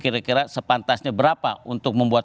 kira kira sepantasnya berapa untuk membuat